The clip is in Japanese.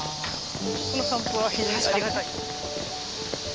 この散歩は非常にありがたい。